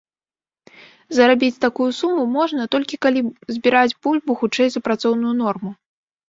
Зарабіць такую суму можна, толькі калі збіраць бульбу хутчэй за працоўную норму.